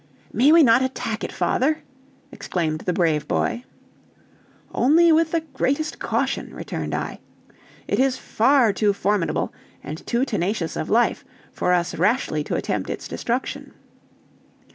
"May we not attack it, father?" exclaimed the brave boy. "Only with the greatest caution," returned I; "it is far too formidable, and too tenacious of life, for us rashly to attempt its destruction.